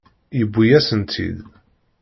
Yewwi-yasen-tt-id.